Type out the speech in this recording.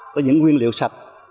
có những nguyên liệu sạch